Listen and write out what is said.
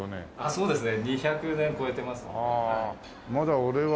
そうですね。